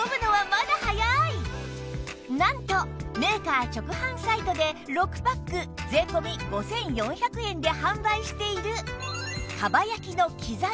なんとメーカー直販サイトで６パック税込５４００円で販売している蒲焼のきざみ